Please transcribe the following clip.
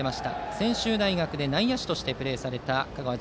専修大学で内野手としてプレーしました。